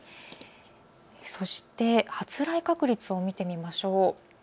そして発雷確率を見てみましょう。